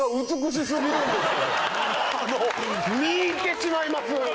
見入ってしまいます！